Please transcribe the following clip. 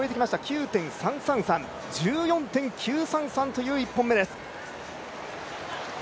９．３３３。１４．９３３という１本目です。